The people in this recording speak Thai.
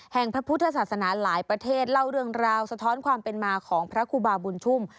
พระพุทธศาสนาหลายประเทศเล่าเรื่องราวสะท้อนความเป็นมาของพระครูบาบุญชุ่ม